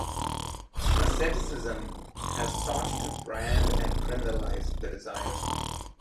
Asceticism has sought to brand and criminalize the desires.